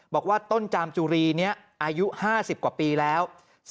บอกว่าต้นจามจุรีนี้อายุ๕๐กว่าปีแล้ว